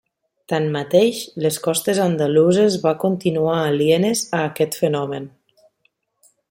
Tanmateix, les costes andaluses va continuar alienes a aquest fenomen.